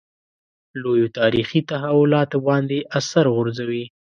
لویو تاریخي تحولاتو باندې اثر غورځوي.